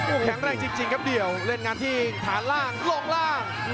โอ้โหแข็งแรงจริงครับเดี่ยวเล่นงานที่ฐานล่างลงล่าง